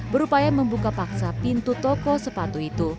berupaya membuka paksa pintu toko sepatu itu